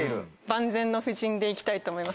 万全の布陣で行きたいと思います。